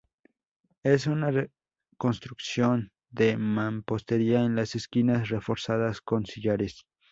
Es una construcción de mampostería con las esquinas reforzadas con sillares.